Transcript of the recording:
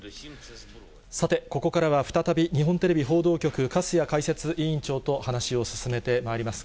さて、ここからは再び、日本テレビ報道局、粕谷解説委員長と話を進めてまいります。